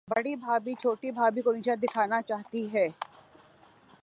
بڑی بھابھی، چھوٹی بھابھی کو نیچا دکھانا چاہتی ہے۔